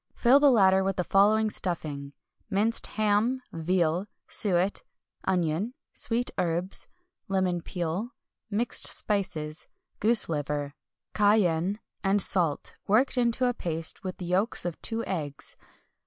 Fill the latter with the following stuffing: minced ham, veal, suet, onion, sweet herbs, lemon peel, mixed spices, goose liver, cayenne, and salt, worked into a paste with the yolks of two eggs.